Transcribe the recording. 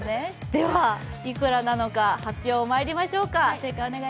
ではいくらなのか、発表まいりましょうか。